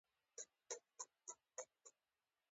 چې تاسو ته څومره خلک درګوري .